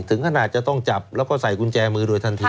ถึงขนาดจะต้องจับแล้วก็ใส่กุญแจมือโดยทันที